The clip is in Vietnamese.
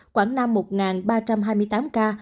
quảng nam một bốn trăm tám mươi chín ca